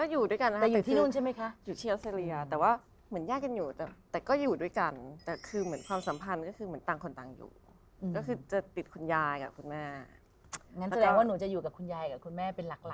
อย่างงั้นแสดงว่าหนูจะอยู่บรรดากนคนยายกับคุณแม่เป็นหลัก